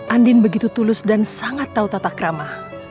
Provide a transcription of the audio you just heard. andin begitu tulus dan sangat tahu tata kerama